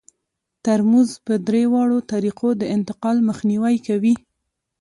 ترموز په درې واړو طریقو د انتقال مخنیوی کوي.